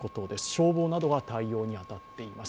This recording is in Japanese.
死亡などが対応に当たっています。